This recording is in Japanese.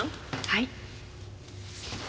はい。